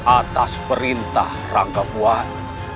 atas perintah rangkapuan